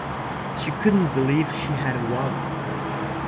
She couldn't believe she had won.